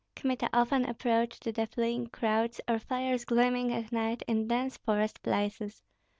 Kmita often approached the fleeing crowds, or fires gleaming at night in dense forest places.